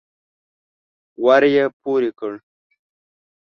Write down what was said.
ور يې پورې کړ.